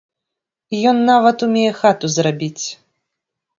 Ён нават умее хату зрабіць.